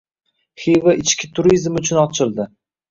Xiva ichki turizm uchun ochildi